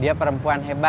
dia perempuan hebat